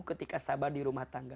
ketika sabar di rumah tangga